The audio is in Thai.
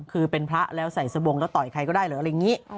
คือเป็นพระแล้วใส่สบงแล้วต่อยใครก็ได้เหรออะไรอย่างนี้